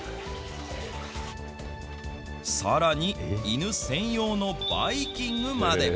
さらに、犬専用のバイキングまで。